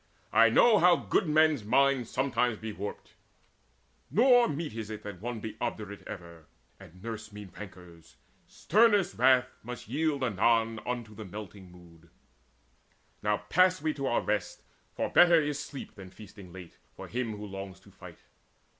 I know how good men's minds sometimes be warped: Nor meet it is that one be obdurate Ever, and nurse mean rancours: sternest wrath Must yield anon unto the melting mood. Now pass we to our rest; for better is sleep Than feasting late, for him who longs to fight."